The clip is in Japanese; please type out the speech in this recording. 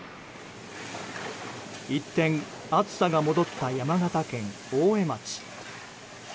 一転、暑さが戻った山形県大江町。